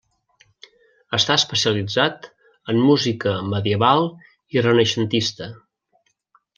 Està especialitzat en música medieval i renaixentista.